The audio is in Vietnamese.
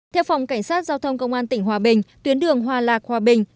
theo phòng cảnh sát giao thông công an tỉnh hòa bình tuyến đường hòa lạc hòa bình